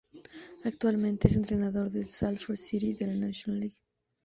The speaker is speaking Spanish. Actualmente es entrenador del Salford City de la National League.